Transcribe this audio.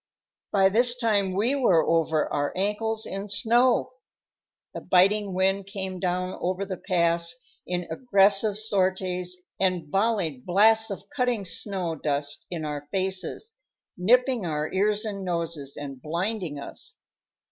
By this time we were over our ankles in snow. The biting wind came down over the pass in aggressive sorties and volleyed blasts of cutting snow dust in our faces, nipping our ears and noses, and blinding us.